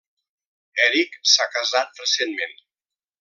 Eric s'ha casat recentment.